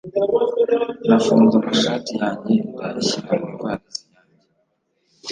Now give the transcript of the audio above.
Nafunze amashati yanjye ndayashyira mu ivarisi yanjye.